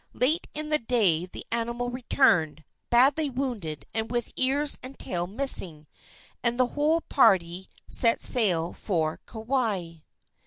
Late in the day the animal returned, badly wounded and with ears and tail missing, and the whole party set sail for Kauai.